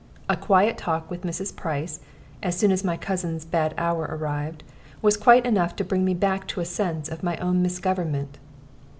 A quiet talk with Mrs. Price, as soon as my cousin's bad hour arrived, was quite enough to bring me back to a sense of my own misgovernment.